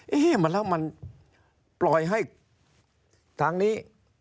เอ๊ะมาแล้วมันปล่อยให้ทางนี้